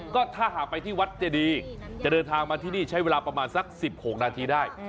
ก็ถ้าหากไปที่วัดเจดีจะเดินทางมาที่นี่ใช้เวลาประมาณสัก๑๖นาทีได้